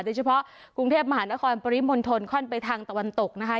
โดยเฉพาะกรุงเทพมหานครปริมณฑลค่อนไปทางตะวันตกนะคะ